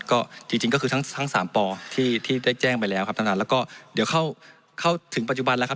ก็จริงก็คือทั้งสามป่อที่ที่ได้แจ้งไปแล้วครับท่านท่านแล้วก็เดี๋ยวเข้าถึงปัจจุบันแล้วครับ